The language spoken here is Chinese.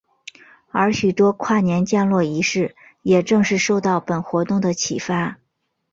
而许多跨年降落仪式也正是受到本活动的启发。